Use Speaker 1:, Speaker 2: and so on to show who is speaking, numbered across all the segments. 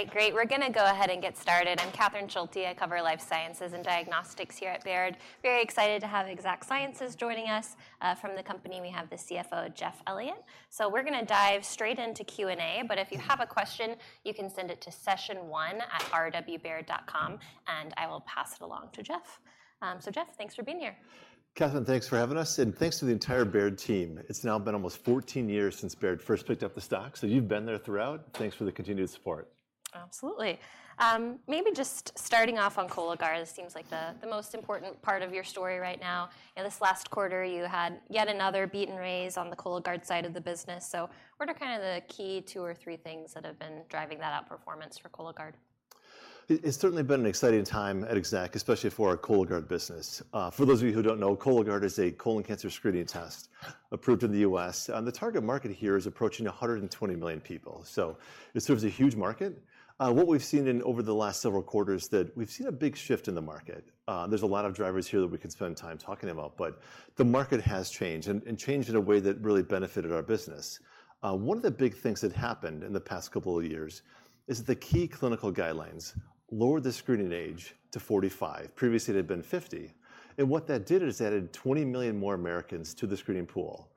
Speaker 1: All right, great. We're going to go ahead and get started. I'm Catherine Schulte. I cover life sciences and diagnostics here at Baird. Very excited to have Exact Sciences joining us. From the company, we have the CFO, Jeff Elliott. So we're going to dive straight into Q&A, but if you have a question, you can send it to sessionone@rwbaird.com, and I will pass it along to Jeff. So Jeff, thanks for being here.
Speaker 2: Catherine, thanks for having us, and thanks to the entire Baird team. It's now been almost 14 years since Baird first picked up the stock, so you've been there throughout. Thanks for the continued support.
Speaker 1: Absolutely. Maybe just starting off on Cologuard, this seems like the most important part of your story right now. In this last quarter, you had yet another beat and raise on the Cologuard side of the business. So what are kind of the key two or three things that have been driving that outperformance for Cologuard?
Speaker 2: It's certainly been an exciting time at Exact, especially for our Cologuard business. For those of you who don't know, Cologuard is a colon cancer screening test approved in the U.S., and the target market here is approaching 120 million people. So this serves a huge market. What we've seen in over the last several quarters, that we've seen a big shift in the market. There's a lot of drivers here that we could spend time talking about, but the market has changed, and changed in a way that really benefited our business. One of the big things that happened in the past couple of years is the key clinical guidelines lowered the screening age to 45. Previously, it had been 50, and what that did is added 20 million more Americans to the screening pool.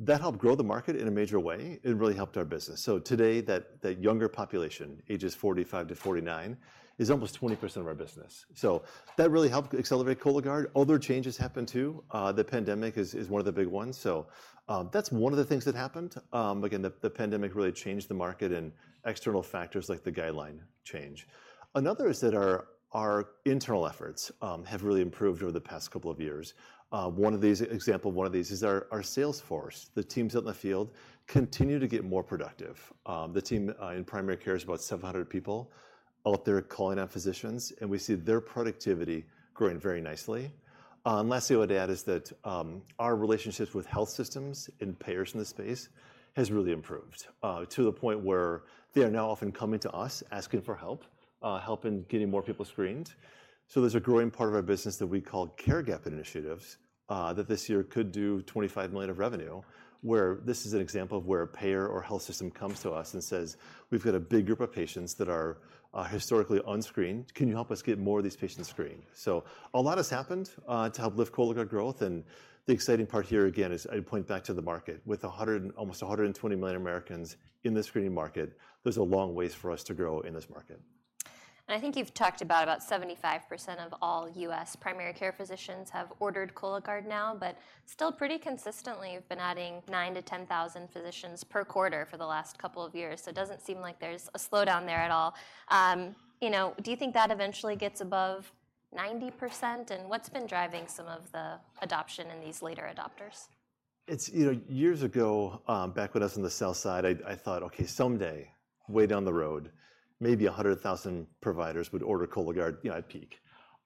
Speaker 2: That helped grow the market in a major way. It really helped our business. So today, that younger population, ages 45-49, is almost 20% of our business. So that really helped accelerate Cologuard. Other changes happened, too. The pandemic is one of the big ones. So, that's one of the things that happened. Again, the pandemic really changed the market and external factors like the guideline change. Another is that our internal efforts have really improved over the past couple of years. One example of one of these is our sales force. The teams out in the field continue to get more productive. The team in primary care is about 700 people out there calling on physicians, and we see their productivity growing very nicely. And lastly, I would add, is that, our relationships with health systems and payers in this space has really improved, to the point where they are now often coming to us, asking for help, help in getting more people screened. So there's a growing part of our business that we call care gap initiatives, that this year could do $25 million of revenue, where this is an example of where a payer or health system comes to us and says, "We've got a big group of patients that are, historically unscreened. Can you help us get more of these patients screened?" So a lot has happened, to help lift Cologuard growth, and the exciting part here, again, is I point back to the market. With 100, almost 120 million Americans in the screening market, there's a long ways for us to grow in this market.
Speaker 1: I think you've talked about 75% of all U.S. primary care physicians have ordered Cologuard now, but still pretty consistently, you've been adding 9,000-10,000 physicians per quarter for the last couple of years. It doesn't seem like there's a slowdown there at all. You know, do you think that eventually gets above 90%, and what's been driving some of the adoption in these later adopters?
Speaker 2: It's, you know, years ago, back with us on the sales side, I thought, okay, someday, way down the road, maybe 100,000 providers would order Cologuard, you know, at peak.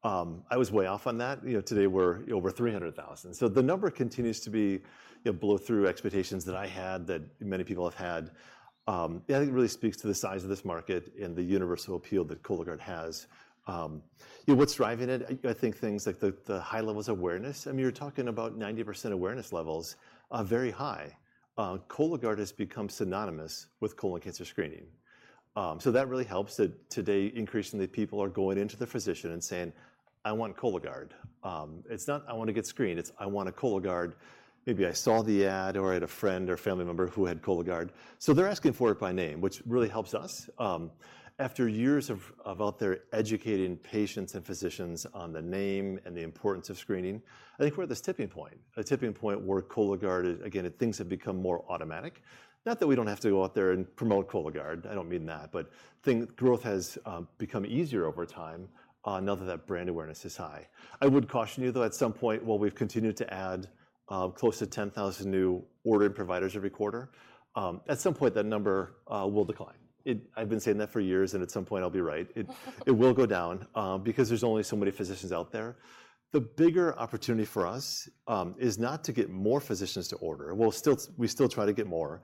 Speaker 2: I was way off on that. You know, today, we're over 300,000. So the number continues to be, you know, blow through expectations that I had, that many people have had. Yeah, I think it really speaks to the size of this market and the universal appeal that Cologuard has. Yeah, what's driving it? I think things like the high levels of awareness. I mean, you're talking about 90% awareness levels, very high. Cologuard has become synonymous with colon cancer screening. So that really helps that today, increasingly, people are going into the physician and saying, "I want Cologuard." It's not, "I want to get screened," it's, "I want a Cologuard." Maybe I saw the ad or I had a friend or family member who had Cologuard. So they're asking for it by name, which really helps us. After years of out there educating patients and physicians on the name and the importance of screening, I think we're at this tipping point, a tipping point where Cologuard is, again, things have become more automatic. Not that we don't have to go out there and promote Cologuard, I don't mean that, but think growth has become easier over time, now that that brand awareness is high. I would caution you, though, at some point, while we've continued to add close to 10,000 new ordered providers every quarter, at some point, that number will decline. It—I've been saying that for years, and at some point, I'll be right. It, it will go down, because there's only so many physicians out there. The bigger opportunity for us is not to get more physicians to order. We'll still, we still try to get more.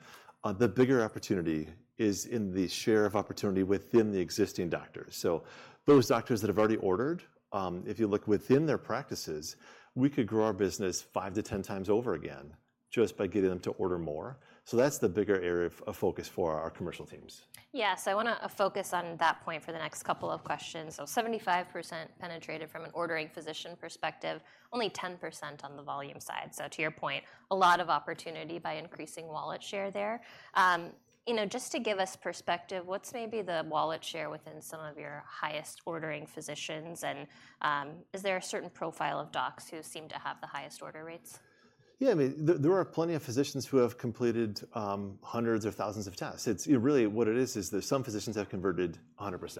Speaker 2: The bigger opportunity is in the share of opportunity within the existing doctors. So those doctors that have already ordered, if you look within their practices, we could grow our business 5-10 times over again just by getting them to order more. So that's the bigger area of, of focus for our commercial teams.
Speaker 1: Yes, I wanna focus on that point for the next couple of questions. So 75% penetrated from an ordering physician perspective, only 10% on the volume side. So to your point, a lot of opportunity by increasing wallet share there. You know, just to give us perspective, what's maybe the wallet share within some of your highest ordering physicians? And, is there a certain profile of docs who seem to have the highest order rates?
Speaker 2: Yeah, I mean, there are plenty of physicians who have completed hundreds of thousands of tests. It's really what it is, is there's some physicians that have converted 100%.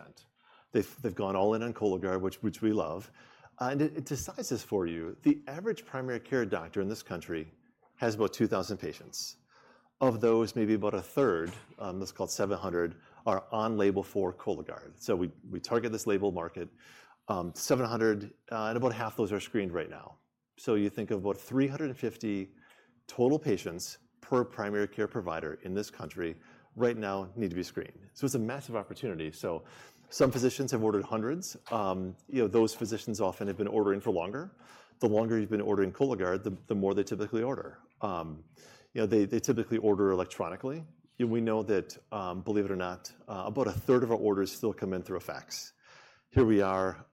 Speaker 2: They've gone all in on Cologuard, which we love, and it decides this for you. The average primary care doctor in this country has about 2,000 patients. Of those, maybe about a third, let's call it 700, are on label for Cologuard. So we target this label market, 700, and about half those are screened right now. So you think of about 350 total patients per primary care provider in this country right now need to be screened. So some physicians have ordered hundreds. You know, those physicians often have been ordering for longer. The longer you've been ordering Cologuard, the more they typically order. You know, they typically order electronically. Yeah, we know that, believe it or not, about a third of our orders still come in through a fax. Here we are,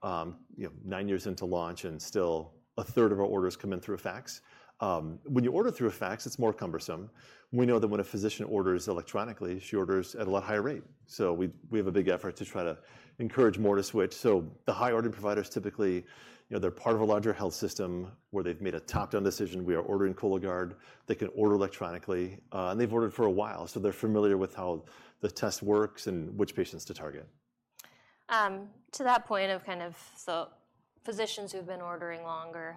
Speaker 2: you know, nine years into launch, and still, a third of our orders come in through a fax. When you order through a fax, it's more cumbersome. We know that when a physician orders electronically, she orders at a lot higher rate, so we have a big effort to try to encourage more to switch. So the high-ordering providers, typically, you know, they're part of a larger health system where they've made a top-down decision, "We are ordering Cologuard." They can order electronically, and they've ordered for a while, so they're familiar with how the test works and which patients to target.
Speaker 1: To that point of kind of, so physicians who've been ordering longer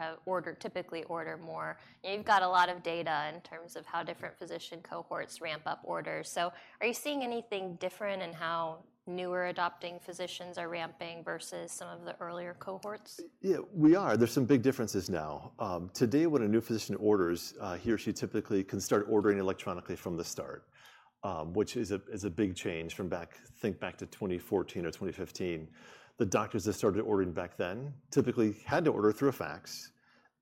Speaker 1: typically order more, you've got a lot of data in terms of how different physician cohorts ramp up orders. So are you seeing anything different in how newer adopting physicians are ramping versus some of the earlier cohorts?
Speaker 2: Yeah, we are. There's some big differences now. Today, when a new physician orders, he or she typically can start ordering electronically from the start, which is a, is a big change from back... think back to 2014 or 2015. The doctors that started ordering back then typically had to order through a fax,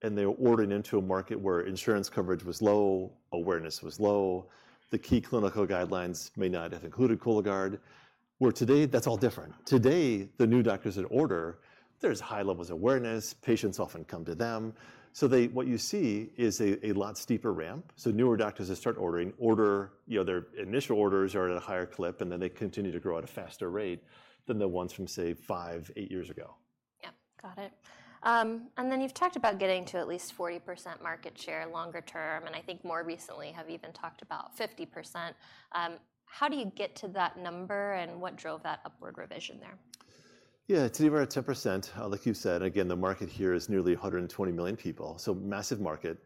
Speaker 2: and they were ordering into a market where insurance coverage was low, awareness was low. The key clinical guidelines may not have included Cologuard, where today, that's all different. Today, the new doctors that order, there's high levels of awareness. Patients often come to them, so they, what you see is a, a lot steeper ramp. So newer doctors that start ordering, you know, their initial orders are at a higher clip, and then they continue to grow at a faster rate than the ones from, say, 5, 8 years ago.
Speaker 1: Yeah. Got it. And then you've talked about getting to at least 40% market share longer term, and I think more recently, have even talked about 50%. How do you get to that number, and what drove that upward revision there?
Speaker 2: Yeah, today we're at 10%, like you said. Again, the market here is nearly 120 million people, so massive market.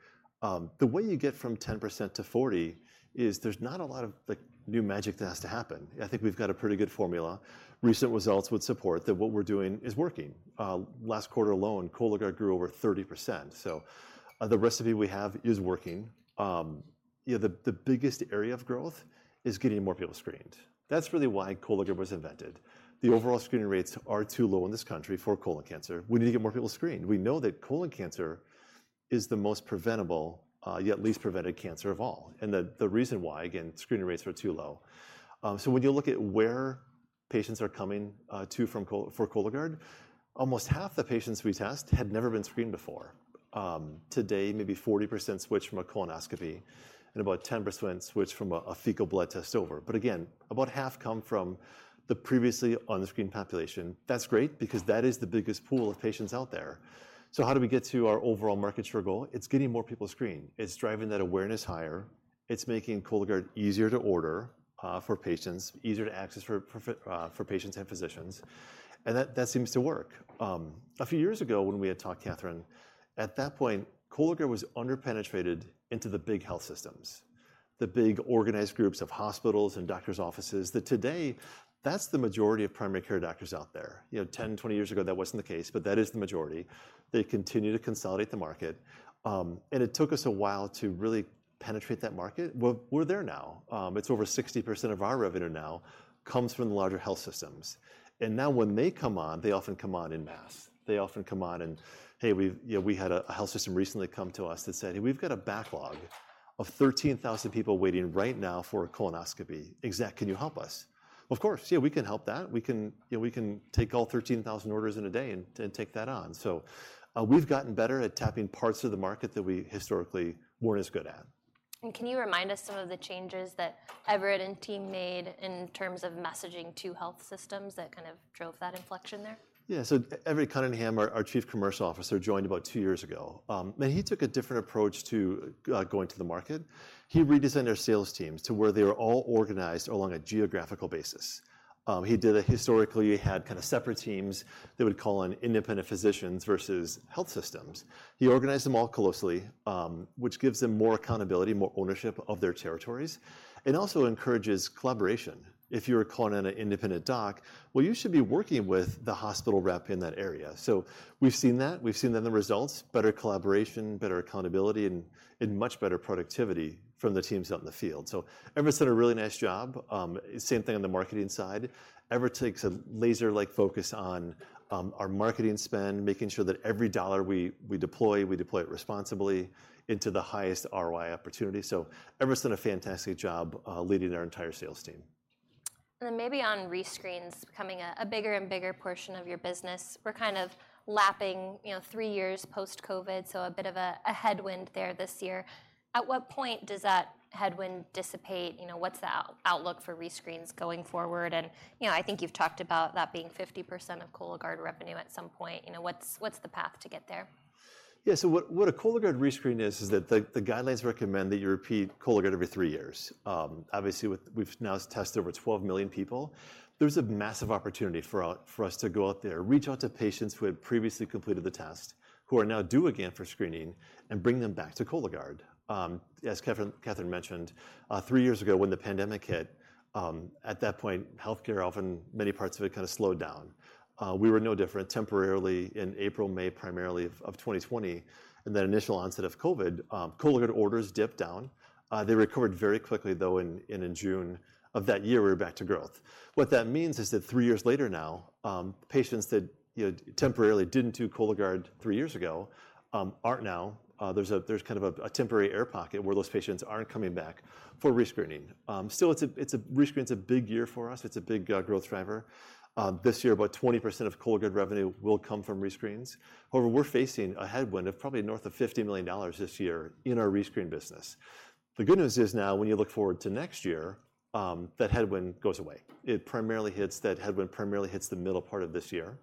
Speaker 2: The way you get from 10% to 40% is there's not a lot of, like, new magic that has to happen. I think we've got a pretty good formula. Recent results would support that what we're doing is working. Last quarter alone, Cologuard grew over 30%, so, the recipe we have is working. You know, the biggest area of growth is getting more people screened. That's really why Cologuard was invented. The overall screening rates are too low in this country for colon cancer. We need to get more people screened. We know that colon cancer is the most preventable, yet least prevented cancer of all, and the reason why, again, screening rates are too low. So when you look at where patients are coming for Cologuard, almost half the patients we test had never been screened before. Today, maybe 40% switch from a colonoscopy, and about 10% switch from a fecal blood test over. But again, about half come from the previously unscreened population. That's great because that is the biggest pool of patients out there. So how do we get to our overall market share goal? It's getting more people screened. It's driving that awareness higher. It's making Cologuard easier to order for patients, easier to access for patients and physicians, and that seems to work. A few years ago, when we had talked, Catherine, at that point, Cologuard was underpenetrated into the big health systems, the big, organized groups of hospitals and doctor's offices, that today, that's the majority of primary care doctors out there. You know, 10, 20 years ago, that wasn't the case, but that is the majority. They continue to consolidate the market, and it took us a while to really penetrate that market. Well, we're there now. It's over 60% of our revenue now comes from the larger health systems, and now when they come on, they often come on in mass. They often come on and, "Hey, we've..." You know, we had a health system recently come to us that said, "We've got a backlog of 13,000 people waiting right now for a colonoscopy. Exact, can you help us?" "Of course, yeah, we can help that. We can, you know, we can take all 13,000 orders in a day and take that on. So, we've gotten better at tapping parts of the market that we historically weren't as good at.
Speaker 1: Can you remind us some of the changes that Everett and team made in terms of messaging to health systems that kind of drove that inflection there?
Speaker 2: Yeah. So Everett Cunningham, our Chief Commercial Officer, joined about two years ago. Now, he took a different approach to going to the market. He redesigned our sales teams to where they were all organized along a geographical basis. He did historically have kinda separate teams that would call on independent physicians versus health systems. He organized them all closely, which gives them more accountability, more ownership of their territories, and also encourages collaboration. If you're calling in an independent doc, well, you should be working with the hospital rep in that area. So we've seen that. We've seen then the results, better collaboration, better accountability, and much better productivity from the teams out in the field. So Everett's done a really nice job. Same thing on the marketing side. Everett takes a laser-like focus on our marketing spend, making sure that every dollar we, we deploy, we deploy it responsibly into the highest ROI opportunity. So Everett's done a fantastic job leading our entire sales team.
Speaker 1: And then maybe on rescreens becoming a bigger and bigger portion of your business, we're kind of lapping, you know, three years post-COVID, so a bit of a headwind there this year. At what point does that headwind dissipate? You know, what's the outlook for rescreens going forward? And, you know, I think you've talked about that being 50% of Cologuard revenue at some point. You know, what's the path to get there?
Speaker 2: Yeah, so what a Cologuard rescreen is, is that the guidelines recommend that you repeat Cologuard every three years. Obviously, with we've now tested over 12 million people, there's a massive opportunity for us to go out there, reach out to patients who had previously completed the test, who are now due again for screening, and bring them back to Cologuard. As Catherine mentioned, three years ago, when the pandemic hit, at that point, healthcare, often many parts of it, kind of slowed down. We were no different temporarily in April, May, primarily of 2020, and that initial onset of COVID, Cologuard orders dipped down. They recovered very quickly, though, in June of that year, we were back to growth. What that means is that three years later now, patients that, you know, temporarily didn't do Cologuard three years ago, aren't now. There's kind of a temporary air pocket where those patients aren't coming back for rescreening. Still, rescreening is a big year for us. It's a big growth driver. This year, about 20% of Cologuard revenue will come from rescreens. However, we're facing a headwind of probably north of $50 million this year in our rescreen business. The good news is now, when you look forward to next year, that headwind goes away. That headwind primarily hits the middle part of this year.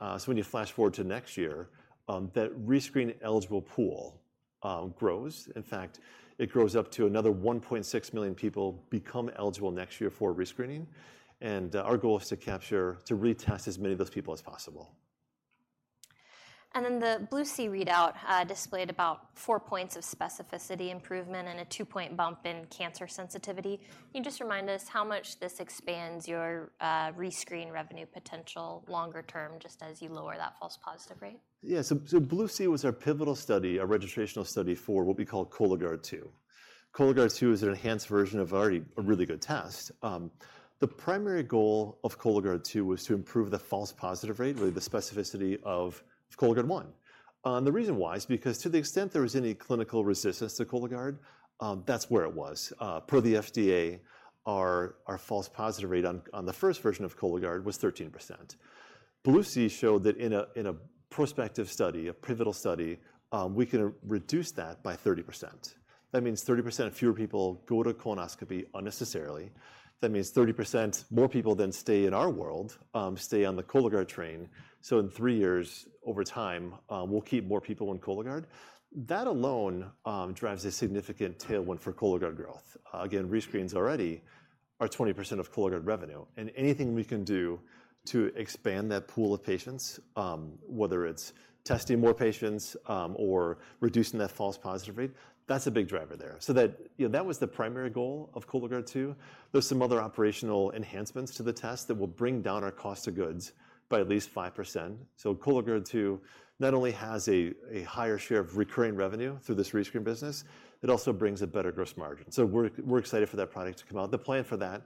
Speaker 2: So when you flash forward to next year, that rescreen-eligible pool grows. In fact, it grows up to another 1.6 million people become eligible next year for rescreening, and our goal is to capture, to retest as many of those people as possible.
Speaker 1: And then the Blue C readout displayed about four points of specificity improvement and a two-point bump in cancer sensitivity. Can you just remind us how much this expands your Rescreen revenue potential longer term, just as you lower that false positive rate?
Speaker 2: So, Blue C was our pivotal study, a registrational study for what we call Cologuard 2. Cologuard 2 is an enhanced version of already a really good test. The primary goal of Cologuard 2 was to improve the false positive rate, really the specificity of Cologuard 1. The reason why is because to the extent there was any clinical resistance to Cologuard, that's where it was. Per the FDA, our false positive rate on the first version of Cologuard was 13%. Blue C showed that in a prospective study, a pivotal study, we can reduce that by 30%. That means 30% fewer people go to colonoscopy unnecessarily. That means 30% more people then stay in our world, stay on the Cologuard train. So in three years, over time, we'll keep more people on Cologuard. That alone drives a significant tailwind for Cologuard growth. Again, rescreens already are 20% of Cologuard revenue, and anything we can do to expand that pool of patients, whether it's testing more patients, or reducing that false positive rate, that's a big driver there. So that, you know, that was the primary goal of Cologuard 2. There's some other operational enhancements to the test that will bring down our cost of goods by at least 5%. So Cologuard 2 not only has a higher share of recurring revenue through this rescreen business, it also brings a better gross margin. So we're excited for that product to come out. The plan for that,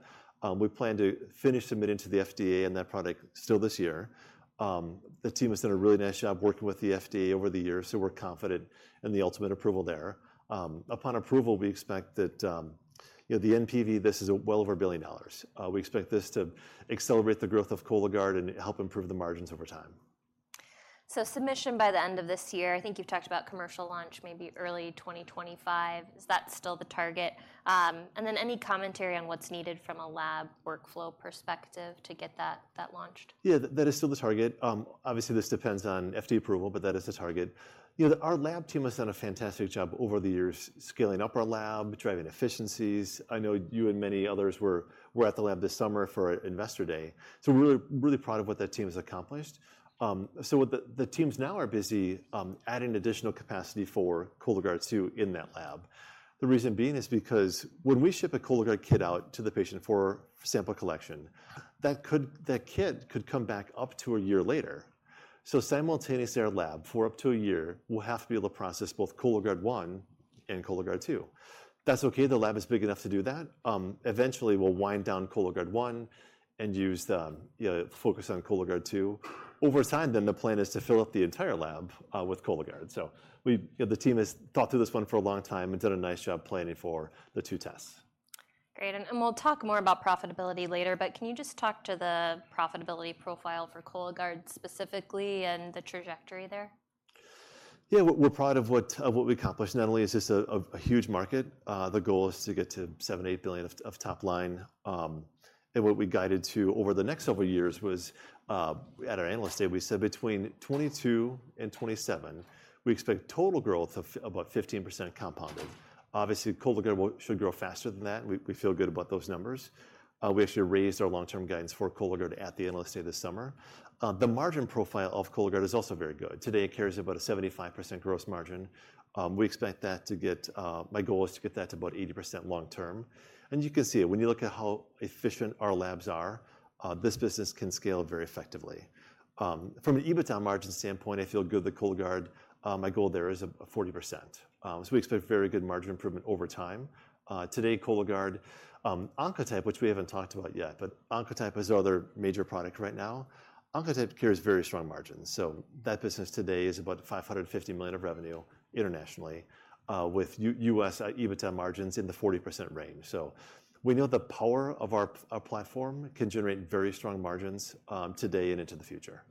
Speaker 2: we plan to finish submitting to the FDA and that product still this year. The team has done a really nice job working with the FDA over the years, so we're confident in the ultimate approval there. Upon approval, we expect that, you know, the NPV. This is well over $1 billion. We expect this to accelerate the growth of Cologuard and help improve the margins over time.
Speaker 1: Submission by the end of this year, I think you've talked about commercial launch, maybe early 2025. Is that still the target? And then any commentary on what's needed from a lab workflow perspective to get that launched?
Speaker 2: Yeah, that is still the target. Obviously, this depends on FDA approval, but that is the target. You know, our lab team has done a fantastic job over the years, scaling up our lab, driving efficiencies. I know you and many others were at the lab this summer for Investor Day. So we're really proud of what that team has accomplished. So what the teams now are busy adding additional capacity for Cologuard 2 in that lab. The reason being is because when we ship a Cologuard kit out to the patient for sample collection, that kit could come back up to a year later. So simultaneously, our lab, for up to a year, will have to be able to process both Cologuard 1 and Cologuard 2. That's okay, the lab is big enough to do that. Eventually, we'll wind down Cologuard 1 and use the, you know, focus on Cologuard 2. Over time, then, the plan is to fill up the entire lab with Cologuard. So the team has thought through this one for a long time and done a nice job planning for the two tests.
Speaker 1: Great. And we'll talk more about profitability later, but can you just talk to the profitability profile for Cologuard specifically and the trajectory there?
Speaker 2: Yeah, we're proud of what we accomplished. Not only is this a huge market, the goal is to get to $7-$8 billion of top line. And what we guided to over the next several years was, at our Analyst Day, we said between 2022 and 2027, we expect total growth of about 15% compounded. Obviously, Cologuard should grow faster than that. We feel good about those numbers. We actually raised our long-term guidance for Cologuard at the Analyst Day this summer. The margin profile of Cologuard is also very good. Today, it carries about a 75% gross margin. We expect that to get... my goal is to get that to about 80% long term. And you can see it. When you look at how efficient our labs are, this business can scale very effectively. From an EBITDA margin standpoint, I feel good that Cologuard, my goal there is a 40%. So we expect very good margin improvement over time. Today, Cologuard, Oncotype, which we haven't talked about yet, but Oncotype is our other major product right now. Oncotype carries very strong margins, so that business today is about $550 million of revenue internationally, with U.S. EBITDA margins in the 40% range. So we know the power of our platform can generate very strong margins, today and into the future.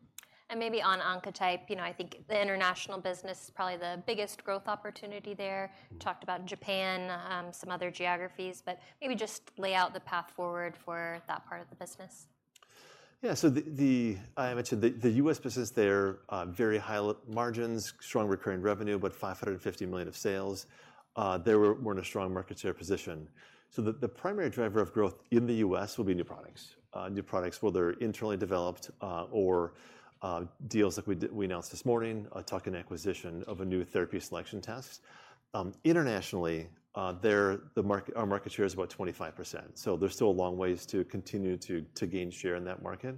Speaker 1: And maybe on Oncotype, you know, I think the international business is probably the biggest growth opportunity there.
Speaker 2: Mm-hmm.
Speaker 1: Talked about Japan, some other geographies, but maybe just lay out the path forward for that part of the business.
Speaker 2: Yeah, so I mentioned the US business there, very high margins, strong recurring revenue, but $550 million of sales. We're in a strong market share position. So the primary driver of growth in the US will be new products. New products, whether internally developed, or deals like we announced this morning, a tuck-in acquisition of a new therapy selection test. Internationally, the market, our market share is about 25%, so there's still a long ways to continue to gain share in that market.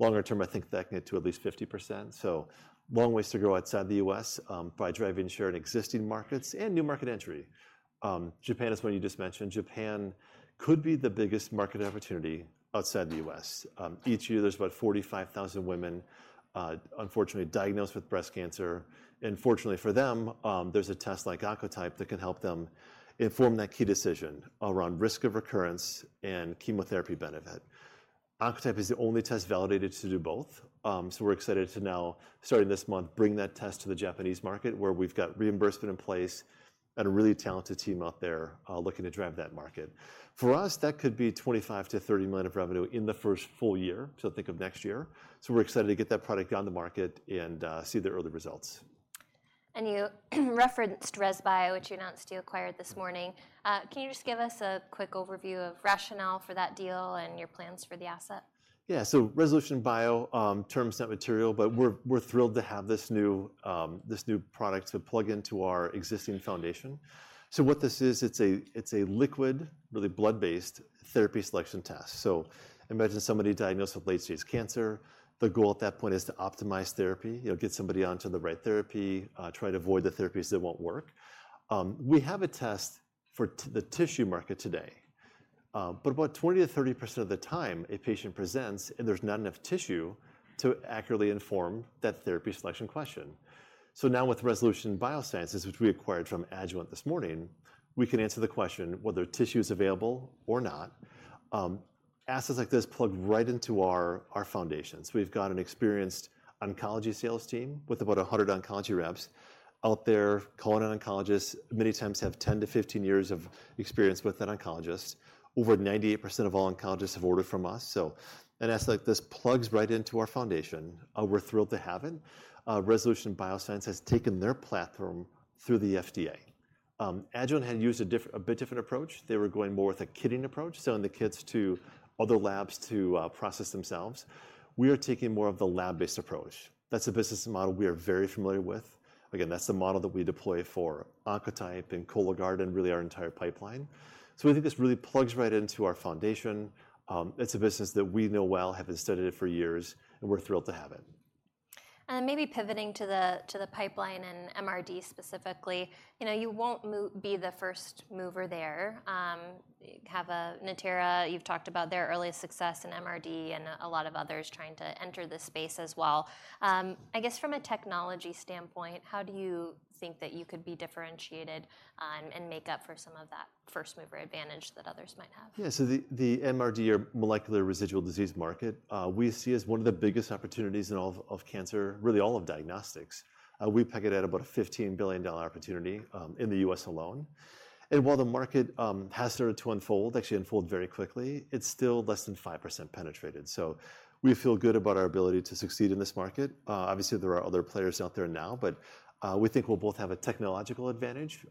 Speaker 2: Longer term, I think that can get to at least 50%, so long ways to go outside the US, by driving share in existing markets and new market entry. Japan is one you just mentioned. Japan could be the biggest market opportunity outside the U.S. Each year, there's about 45,000 women, unfortunately diagnosed with breast cancer, and fortunately for them, there's a test like Oncotype that can help them inform that key decision around risk of recurrence and chemotherapy benefit. Oncotype is the only test validated to do both. So we're excited to now, starting this month, bring that test to the Japanese market, where we've got reimbursement in place and a really talented team out there, looking to drive that market. For us, that could be $25 million-$30 million of revenue in the first full year, so think of next year. So we're excited to get that product on the market and, see the early results.
Speaker 1: You referenced Resolution Bioscience, which you announced you acquired this morning. Can you just give us a quick overview of rationale for that deal and your plans for the asset?
Speaker 2: Yeah. So Resolution Bioscience, terms of that material, but we're thrilled to have this new product to plug into our existing foundation. So what this is, it's a liquid, really blood-based therapy selection test. So imagine somebody diagnosed with late-stage cancer. The goal at that point is to optimize therapy, you know, get somebody onto the right therapy, try to avoid the therapies that won't work. We have a test for the tissue market today, but about 20%-30% of the time, a patient presents, and there's not enough tissue to accurately inform that therapy selection question. So now with Resolution Bioscience, which we acquired from Agilent this morning, we can answer the question whether tissue is available or not. Assets like this plug right into our foundation. So we've got an experienced oncology sales team with about 100 oncology reps out there calling on oncologists, many times have 10-15 years of experience with that oncologist. Over 98% of all oncologists have ordered from us, so an asset like this plugs right into our foundation. We're thrilled to have it. Resolution Bioscience has taken their platform through the FDA. Agilent had used a bit different approach. They were going more with a kitting approach, selling the kits to other labs to process themselves. We are taking more of the lab-based approach. That's a business model we are very familiar with. Again, that's the model that we deploy for Oncotype and Cologuard and really our entire pipeline. So we think this really plugs right into our foundation. It's a business that we know well, have been studying it for years, and we're thrilled to have it.
Speaker 1: Then maybe pivoting to the pipeline and MRD specifically, you know, you won't be the first mover there. You have Natera, you've talked about their early success in MRD and a lot of others trying to enter the space as well. I guess from a technology standpoint, how do you think that you could be differentiated and make up for some of that first-mover advantage that others might have?
Speaker 2: Yeah, so the MRD, or molecular residual disease, market, we see as one of the biggest opportunities in all of cancer, really all of diagnostics. We peg it at about a $15 billion opportunity in the U.S. alone, and while the market has started to unfold, actually unfold very quickly, it's still less than 5% penetrated. So we feel good about our ability to succeed in this market. Obviously, there are other players out there now, but we think we'll both have a technological advantage.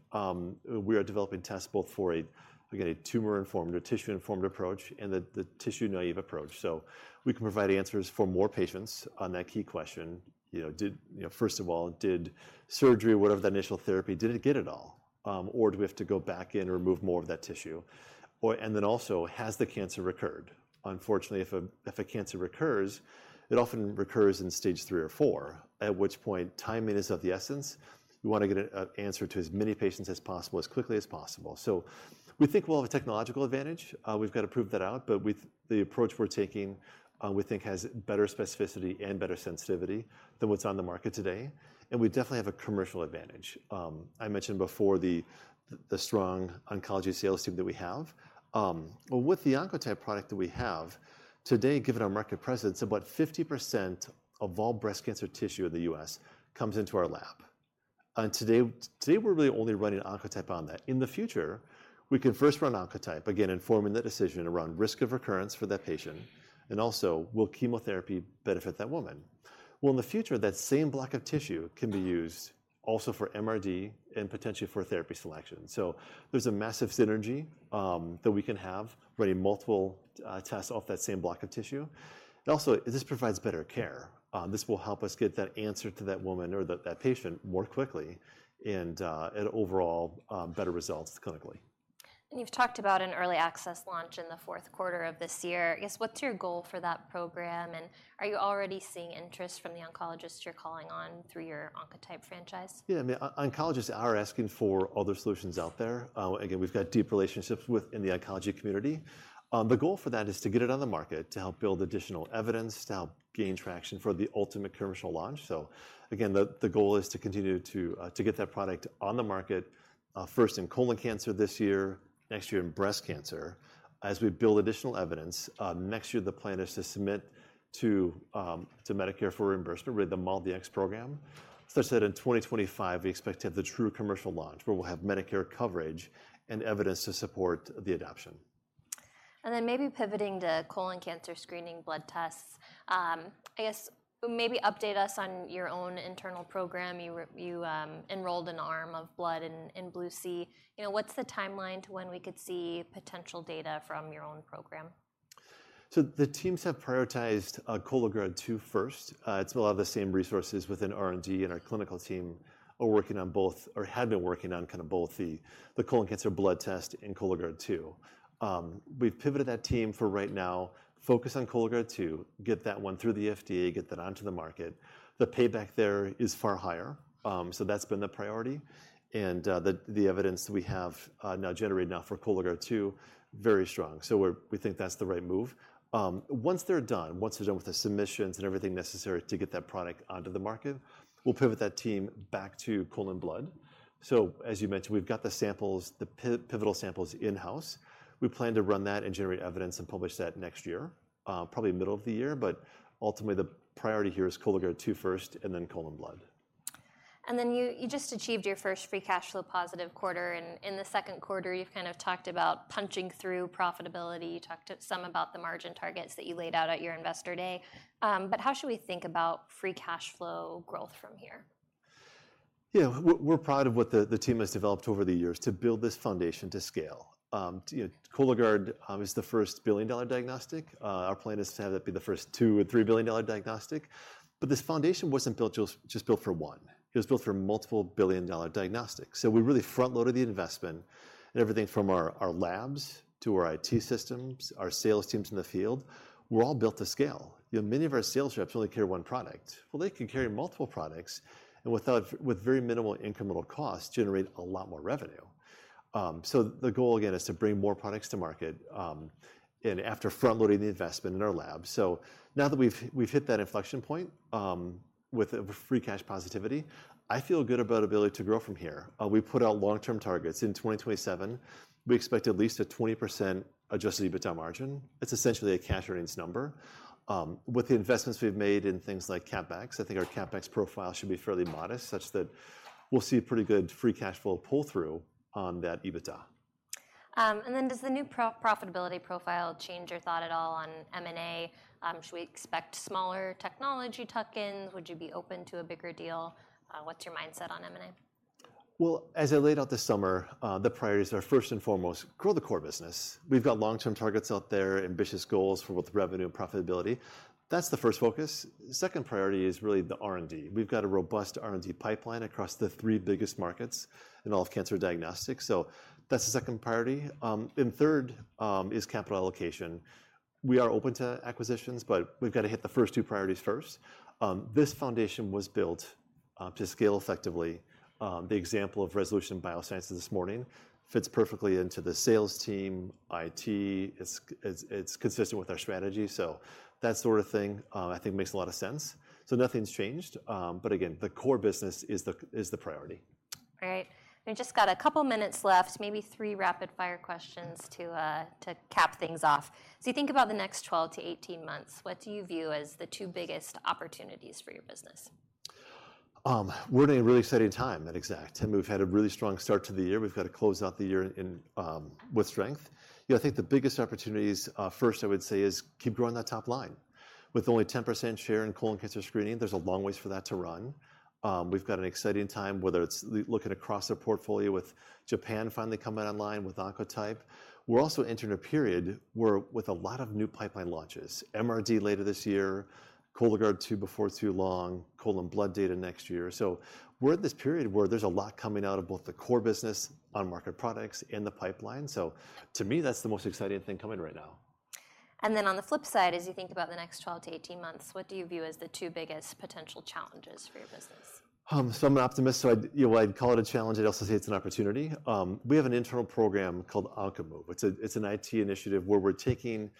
Speaker 2: We are developing tests both for, again, a tumor-informed or tissue-informed approach and the tissue-naive approach. So we can provide answers for more patients on that key question. You know, did... You know, first of all, did surgery or whatever that initial therapy, did it get it all? Or do we have to go back in and remove more of that tissue? Or, and then also, has the cancer recurred? Unfortunately, if a cancer recurs, it often recurs in Stage III or IV, at which point timing is of the essence. We want to get an answer to as many patients as possible, as quickly as possible. So we think we'll have a technological advantage. We've got to prove that out, but with the approach we're taking, we think has better specificity and better sensitivity than what's on the market today, and we definitely have a commercial advantage. I mentioned before the strong oncology sales team that we have. But with the Oncotype product that we have, today, given our market presence, about 50% of all breast cancer tissue in the US comes into our lab, and today, we're really only running Oncotype on that. In the future, we can first run Oncotype, again, informing the decision around risk of recurrence for that patient, and also, will chemotherapy benefit that woman? Well, in the future, that same block of tissue can be used also for MRD and potentially for therapy selection. So there's a massive synergy that we can have, running multiple tests off that same block of tissue. And also, this provides better care. This will help us get that answer to that woman or that patient more quickly and overall, better results clinically.
Speaker 1: You've talked about an early access launch in the fourth quarter of this year. I guess, what's your goal for that program, and are you already seeing interest from the oncologists you're calling on through your Oncotype franchise?
Speaker 2: Yeah, I mean, oncologists are asking for other solutions out there. Again, we've got deep relationships within the oncology community. The goal for that is to get it on the market, to help build additional evidence, to help gain traction for the ultimate commercial launch. So again, the goal is to continue to get that product on the market, first in colon cancer this year, next year in breast cancer. As we build additional evidence, next year, the plan is to submit to Medicare for reimbursement with the MolDX program. So that's set in 2025, we expect to have the true commercial launch, where we'll have Medicare coverage and evidence to support the adoption.
Speaker 1: And then maybe pivoting to colon cancer screening blood tests, I guess maybe update us on your own internal program. You enrolled an arm of blood in Blue C. You know, what's the timeline to when we could see potential data from your own program?...
Speaker 2: So the teams have prioritized Cologuard 2 first. It's a lot of the same resources within R&D, and our clinical team are working on both or had been working on kind of both the colon cancer blood test and Cologuard 2. We've pivoted that team for right now, focus on Cologuard 2, get that one through the FDA, get that onto the market. The payback there is far higher, so that's been the priority, and the evidence we have now generated now for Cologuard 2, very strong. So we're—we think that's the right move. Once they're done, once they're done with the submissions and everything necessary to get that product onto the market, we'll pivot that team back to colon blood. So as you mentioned, we've got the samples, the pivotal samples in-house. We plan to run that and generate evidence and publish that next year, probably middle of the year, but ultimately, the priority here is Cologuard 2 first, and then colon blood.
Speaker 1: And then you just achieved your first free cash flow positive quarter, and in the second quarter, you've kind of talked about punching through profitability. You talked at some about the margin targets that you laid out at your Investor Day. But how should we think about free cash flow growth from here?
Speaker 2: Yeah, we're proud of what the team has developed over the years to build this foundation to scale. You know, Cologuard is the first billion-dollar diagnostic. Our plan is to have that be the first two or three billion dollar diagnostic. But this foundation wasn't just built for one. It was built for multiple billion-dollar diagnostics. So we really front-loaded the investment and everything from our labs to our IT systems, our sales teams in the field, were all built to scale. You know, many of our sales reps only carry one product. Well, they can carry multiple products and with very minimal incremental cost, generate a lot more revenue. So the goal again is to bring more products to market, and after front-loading the investment in our lab. So now that we've hit that inflection point with a free cash positivity, I feel good about ability to grow from here. We put out long-term targets. In 2027, we expect at least a 20% adjusted EBITDA margin. It's essentially a cash earnings number. With the investments we've made in things like CapEx, I think our CapEx profile should be fairly modest, such that we'll see a pretty good free cash flow pull-through on that EBITDA.
Speaker 1: And then does the new improved profitability profile change your thought at all on M&A? Should we expect smaller technology tuck-ins? Would you be open to a bigger deal? What's your mindset on M&A?
Speaker 2: Well, as I laid out this summer, the priorities are, first and foremost, grow the core business. We've got long-term targets out there, ambitious goals for both revenue and profitability. That's the first focus. Second priority is really the R and D. We've got a robust R and D pipeline across the three biggest markets in all of cancer diagnostics, so that's the second priority. And third, is capital allocation. We are open to acquisitions, but we've got to hit the first two priorities first. This foundation was built to scale effectively. The example of Resolution Bioscience this morning fits perfectly into the sales team, IT, it's consistent with our strategy. So that sort of thing, I think, makes a lot of sense. So nothing's changed, but again, the core business is the priority.
Speaker 1: Great. We've just got a couple of minutes left, maybe three rapid-fire questions to, to cap things off. So you think about the next 12-18 months, what do you view as the two biggest opportunities for your business?
Speaker 2: We're in a really exciting time at Exact, and we've had a really strong start to the year. We've got to close out the year in with strength. You know, I think the biggest opportunities, first, I would say, is keep growing that top line. With only 10% share in colon cancer screening, there's a long ways for that to run. We've got an exciting time, whether it's looking across our portfolio with Japan finally coming online with Oncotype. We're also entering a period where with a lot of new pipeline launches, MRD later this year, Cologuard 2 before too long, colon blood data next year. So we're at this period where there's a lot coming out of both the core business on market products and the pipeline. So to me, that's the most exciting thing coming right now.
Speaker 1: And then, on the flip side, as you think about the next 12-18 months, what do you view as the two biggest potential challenges for your business?
Speaker 2: So I'm an optimist, so I'd, you know, I'd call it a challenge, I'd also say it's an opportunity. We have an internal program called OncoMove. It's an IT initiative where we're taking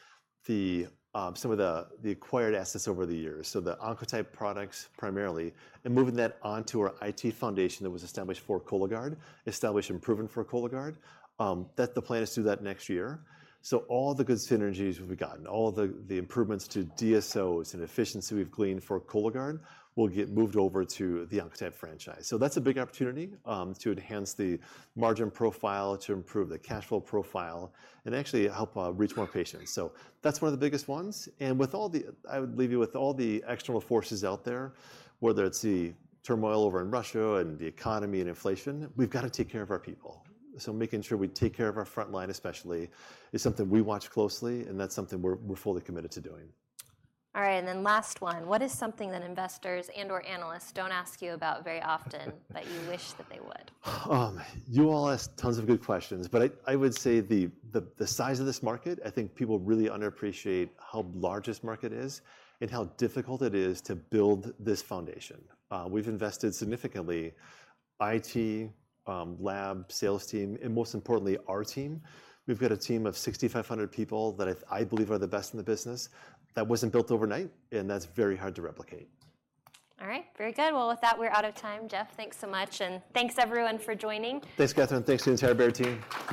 Speaker 2: some of the acquired assets over the years, so the Oncotype products primarily, and moving that onto our IT foundation that was established for Cologuard, established and proven for Cologuard. That the plan is to do that next year. So all the good synergies we've gotten, all the improvements to DSOs and efficiency we've gleaned for Cologuard, will get moved over to the Oncotype franchise. So that's a big opportunity to enhance the margin profile, to improve the cash flow profile, and actually help reach more patients. So that's one of the biggest ones, and with all the... I would leave you with all the external forces out there, whether it's the turmoil over in Russia and the economy and inflation, we've got to take care of our people. So making sure we take care of our frontline, especially, is something we watch closely, and that's something we're fully committed to doing.
Speaker 1: All right, and then last one: What is something that investors and/or analysts don't ask you about very often—that you wish that they would?
Speaker 2: You all ask tons of good questions, but I would say the size of this market. I think people really underappreciate how large this market is and how difficult it is to build this foundation. We've invested significantly, IT, lab, sales team, and most importantly, our team. We've got a team of 6,500 people that I believe are the best in the business. That wasn't built overnight, and that's very hard to replicate.
Speaker 1: All right. Very good. Well, with that, we're out of time. Jeff, thanks so much, and thanks, everyone, for joining.
Speaker 2: Thanks, Catherine. Thanks to the entire Baird team.